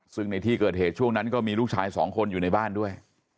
ซึ่งในที่เกิดเหตุช่วงนั้นก็มีลูกชายสองคนอยู่ในบ้านด้วย